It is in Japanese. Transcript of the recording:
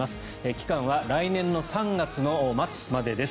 期間は来年の３月末までです。